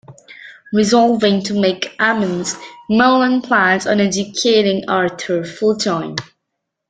Resolving to make amends, Merlin plans on educating Arthur full-time.